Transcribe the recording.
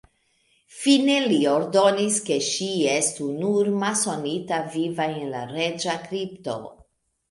Fine li ordonis, ke ŝi estu "nur" masonita viva en la reĝa kripto.